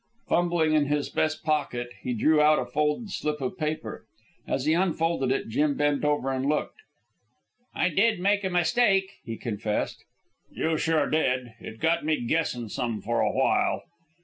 Fumbling in his vest pocket, he drew out a folded slip of paper. As he unfolded it, Jim bent over and looked. "I did make a mistake," he confessed. "You sure did. It got me guessin' some for a while."